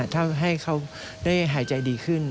ถ้าให้เขาได้หายใจดีขึ้น